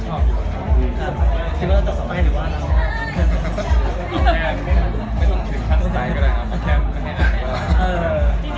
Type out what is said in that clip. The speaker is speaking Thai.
โอเคไม่ต้องถึงสะพน์สไตล์ก็ได้